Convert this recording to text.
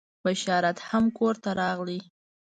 بشارت هم کور ته راغی.